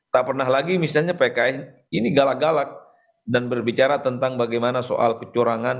tak pernah lagi misalnya pks ini galak galak dan berbicara tentang bagaimana soal kecurangan